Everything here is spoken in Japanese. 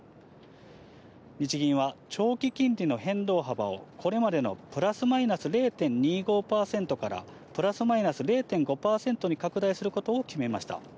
日銀は長期金利の変動幅を、これまでのプラスマイナス０．２５％から、プラスマイナス０．５％に拡大することを決めました。